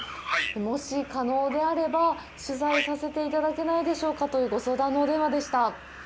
もし可能であれば、取材させていただけないでしょうかというご相談のお電話でした。